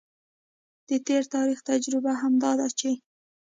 د تیر تاریخ تجربه هم دا ده چې